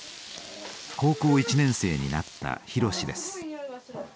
高校１年生になった博です。